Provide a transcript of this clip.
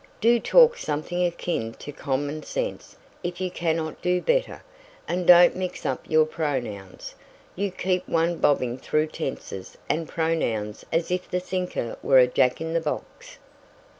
"Do talk something akin to common sense if you cannot do better. And don't mix up your pronouns. You keep one bobbing through tenses and pronouns as if the thinker were a jack in the box."